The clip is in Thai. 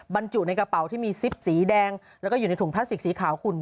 บรรจุในกระเป๋าที่มีซิปสีแดงแล้วก็อยู่ในถุงพลาสติกสีขาวคุณ